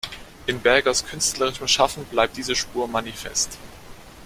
In Bergers künstlerischem Schaffen bleibt diese Spur manifest.